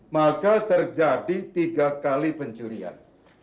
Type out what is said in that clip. maka terjadi tiga kali pencurian